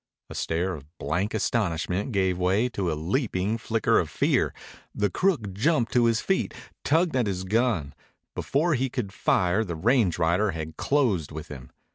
A stare of blank astonishment gave way to a leaping flicker of fear. The crook jumped to his feet, tugging at his gun. Before he could fire, the range rider had closed with him.